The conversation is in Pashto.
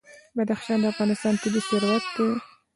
بدخشان د افغانستان طبعي ثروت دی.